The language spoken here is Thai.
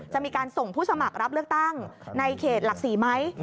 จะมีการส่งผู้สมัครรับเลือกตั้งในเขตหลัก๔ไหม